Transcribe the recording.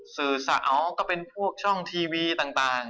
สื่อสาวก็เป็นพวกช่องทีวีต่างใช่ไหมครับ